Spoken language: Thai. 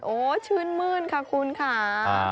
โอ้โหชื่นมื้นค่ะคุณค่ะ